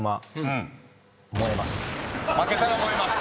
負けたら燃えます。